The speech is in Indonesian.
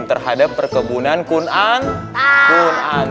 terhadap perkebunan kun'an